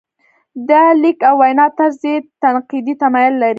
د لیک او وینا طرز یې تنقیدي تمایل لري.